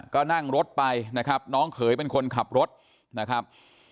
ก็นั่งรถไปนะครับน้องเขยเป็นคนขับรถนะครับ